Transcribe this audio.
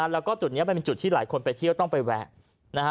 แล้วก็จุดนี้มันเป็นจุดที่หลายคนไปเที่ยวต้องไปแวะ